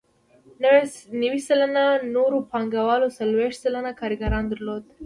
نوي سلنه نورو پانګوالو څلوېښت سلنه کارګران درلودل